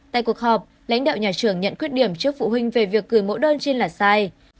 tại cuộc họp lãnh đạo nhà trường nhận khuyết điểm trước phụ huynh về việc gửi mẫu đơn trên là sai